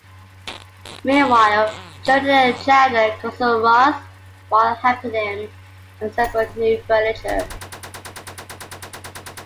Meanwhile, Joey and Chandler console Ross while helping him assemble new furniture.